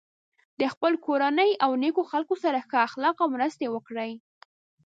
د خپل کورنۍ او نیکو خلکو سره ښه اخلاق او مرستې وکړی.